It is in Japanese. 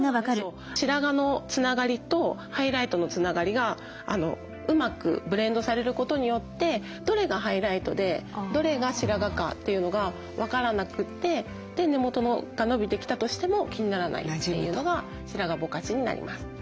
白髪のつながりとハイライトのつながりがうまくブレンドされることによってどれがハイライトでどれが白髪かというのが分からなくてで根元が伸びてきたとしても気にならないというのが白髪ぼかしになります。